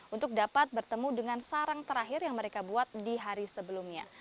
untuk dapat bertemu dengan sarang terakhir yang mereka buat di hari sebelumnya